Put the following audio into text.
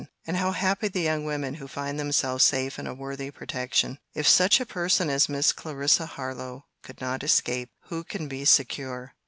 And how happy the young women who find themselves safe in a worthy protection!—If such a person as Miss Clarissa Harlowe could not escape, who can be secure?